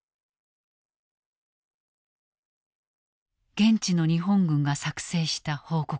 現地の日本軍が作成した報告書。